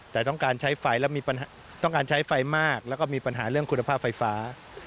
แต่ต้องการใช้ไฟมากและมีปัญหาเรื่องกุลภาพไฟฟ้า